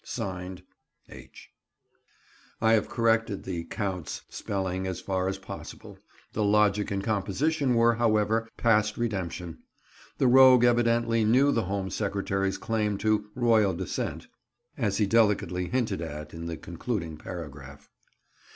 —Signed, H—." I have corrected "the Count's" spelling as far as possible; the logic and composition were, however, past redemption. The rogue evidently knew the Home Secretary's claim to "Royal descent," as delicately hinted at in the concluding paragraph.